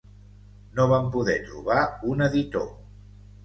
No va poder trobar un editor.